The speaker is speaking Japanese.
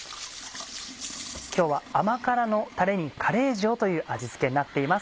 今日は甘辛のたれにカレー塩という味付けになっています。